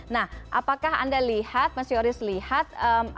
nah apakah anda lihat mas yoris lihat algoritme ini